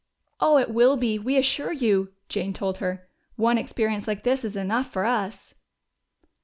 "Oh, it will be, we assure you!" Jane told her. "One experience like this is enough for us."